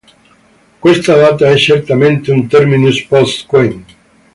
Questa data è certamente un "terminus post quem".